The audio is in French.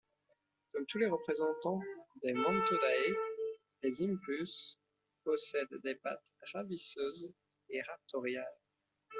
Comme tous les représentants des Mantodea, les empuses possèdent des pattes ravisseuses ou raptoriales.